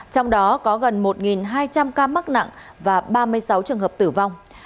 trong đó có gần một hai trăm linh ca mắc nặng và ba mươi sáu trường hợp tử vong